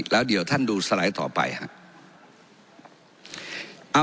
แล้วเดี๋ยวท่านดูสไลด์ต่อไปครับ